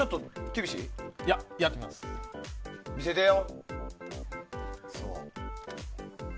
見せてよ！